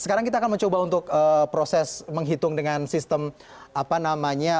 sekarang kita akan mencoba untuk proses menghitung dengan sistem apa namanya